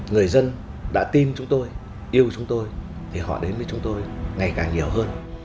người dân đã tin chúng tôi yêu chúng tôi thì họ đến với chúng tôi ngày càng nhiều hơn